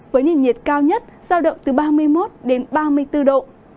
với nền nhiệt cao nhất sao đậm từ ba mươi một đến ba mươi bốn độ